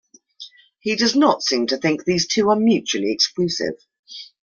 He does not seem to think these two are mutually exclusive.